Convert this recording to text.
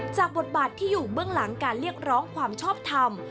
บทบาทที่อยู่เบื้องหลังการเรียกร้องความชอบทำ